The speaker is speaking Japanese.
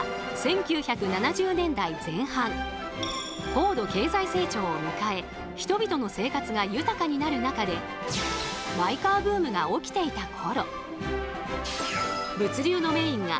高度経済成長を迎え人々の生活が豊かになる中でマイカーブームが起きていた頃。